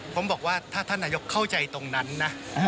ผมบอกว่าถ้าท่านนายกเข้าใจตรงนั้นนะ